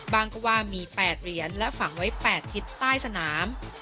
ก็ว่ามี๘เหรียญและฝังไว้๘ทิศใต้สนาม